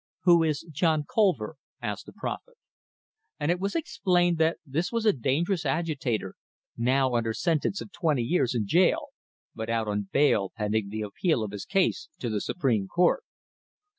"Who is John Colver?" asked the prophet. And it was explained that this was a dangerous agitator, now under sentence of twenty years in jail, but out on bail pending the appeal of his case to the supreme court.